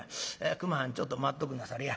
熊はんちょっと待っとくんなされや。